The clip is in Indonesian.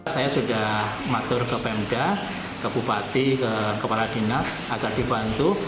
saya sudah matur ke pemda ke bupati ke kepala dinas agar dibantu